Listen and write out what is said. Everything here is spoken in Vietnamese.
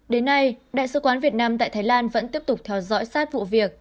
đến nay đại sứ quán việt nam tại thái lan vẫn tiếp tục theo dõi sát vụ việc